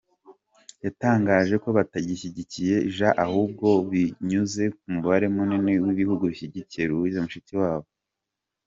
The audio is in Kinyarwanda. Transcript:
Yatangaje ko batagishyigikiye Jean ahubwo biyunze ku mubare munini w’ibihugu bishyigikiye Louise Mushikiwabo.